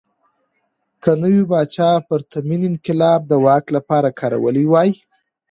که نوي پاچا پرتمین انقلاب د واک لپاره کارولی وای.